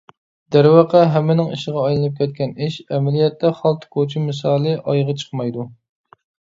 دەرۋەقە ھەممىنىڭ ئىشىغا ئايلىنىپ كەتكەن ئىش ئەمەلىيەتتە خالتا كوچا مىسالى ئايىغى چىقمايدۇ.